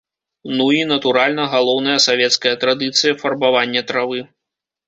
Ну і, натуральна, галоўная савецкая традыцыя фарбавання травы.